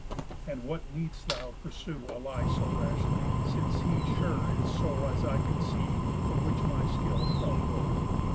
And what need'st thou pursue A lie so rashly, since he sure is so As I conceive, for which my skill shall go?